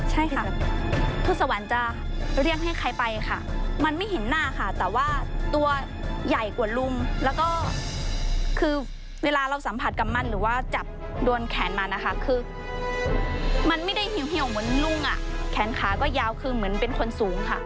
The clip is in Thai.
ใช่ค่ะทุศวรรค์จะเรียกให้ใครไปค่ะมันไม่เห็นหน้าค่ะแต่ว่าตัวใหญ่กว่าลุงแล้วก็คือเวลาเราสัมผัสกับมันหรือว่าจับโดนแขนมันนะคะคือมันไม่ได้เหี่ยวเหมือนลุงอ่ะแขนขาก็ยาวคือเหมือนเป็นคนสูงค่ะ